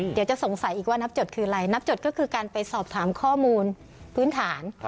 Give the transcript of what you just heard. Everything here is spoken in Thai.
เดี๋ยวจะสงสัยอีกว่านับจดคืออะไรนับจดก็คือการไปสอบถามข้อมูลพื้นฐาน